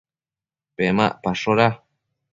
Pemacpashoda